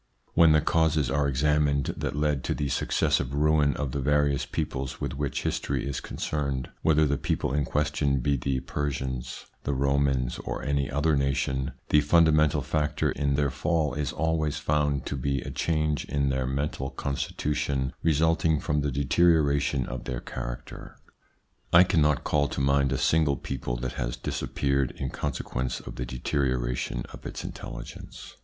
When the causes are examined that led to the successive ruin of the various peoples with which history is concerned, whether the people in question be the Persians, the Romans, or any other nation, the fundamental factor in their fall is always found to be a change in their mental constitution resulting from the deterioration of their character. I cannot call to mind a single people that has disappeared in consequence of the deterioration of its intelligence.